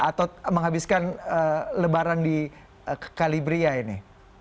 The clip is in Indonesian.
atau menghabiskan lebaran di kalibria ini